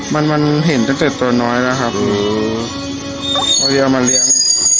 มันมันเห็นแต่ตัวน้อยล่ะครับอืมเอามาเรียง